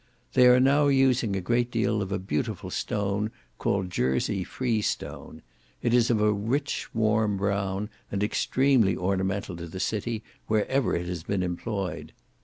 They are now using a great deal of a beautiful stone called Jersey freestone; it is of a warm rich brown, and extremely ornamental to the city wherever it has been employed.